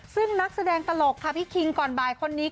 ซึ่งนักแสดงตลกค่ะพี่คิงก่อนบ่ายคนนี้